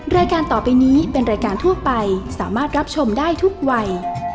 รายการต่อไปนี้เป็นรายการทั่วไปสามารถรับชมได้ทุกวัย